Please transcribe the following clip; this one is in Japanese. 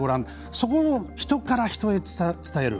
そこも人から人へ伝える。